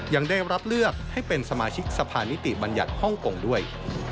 ยังได้รับเลือกให้เป็นสมาชิกสภานิติบัญญัติฮ่องกงด้วย